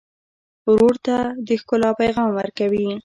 ورور ته د ښکلا پیغام ورکوې.